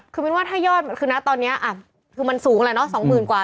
คือว่าถ้ายอดคือนะตอนนี้อ่ะคือมันสูงแล้วน่ะ๒๐๐๐๐กว่า